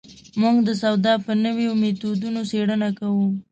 موږ د سودا په نویو مېتودونو څېړنه کوو.